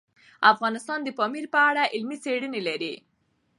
افغانستان د پامیر په اړه علمي څېړنې لري.